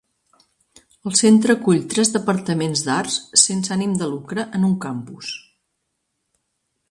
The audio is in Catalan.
El centre acull tres departaments d'arts sense ànim de lucre en un campus.